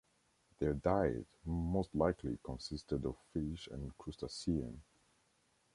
Their diet most likely consisted of fish and crustaceans.